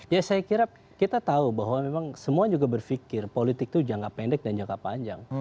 ya saya kira kita tahu bahwa memang semua juga berpikir politik itu jangka pendek dan jangka panjang